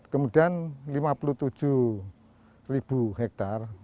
kemudian lima puluh tujuh hektar